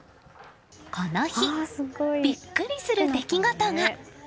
この日、ビックリする出来事が。